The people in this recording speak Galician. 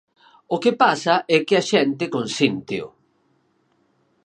O que pasa é que a xente consínteo.